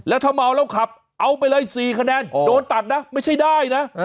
แล้วถ้าเมาแล้วขับเอาไปเลย๔คะแนนโดนตัดนะไม่ใช่ได้นะ